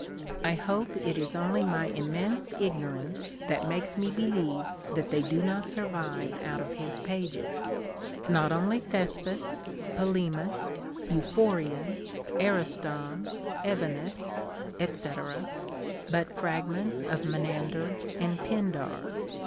I hope it is only my immense ignorance that makes me believe that they do not survive out of his pages, — not only Thcspis, Polemos, Euphorion, Ariston, Evcnus, <fec., but fragments of Menander and Pindar.